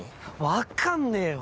分かんねえよ。